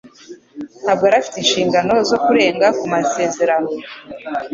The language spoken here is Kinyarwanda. Ntabwo yari afite inshingano zo kurenga ku masezerano.